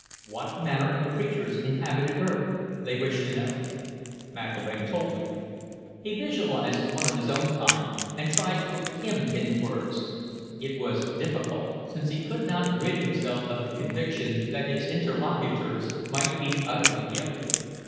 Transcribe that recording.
What manner of creatures inhabited Earth? they wished to know. McIlvaine told them. He visualized one of his own kind and tried to put him into words. It was difficult, since he could not rid himself of the conviction that his interlocutors might be utterly alien.